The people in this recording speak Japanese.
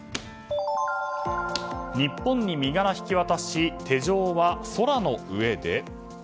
日本に身柄引き渡し手錠は空の上で？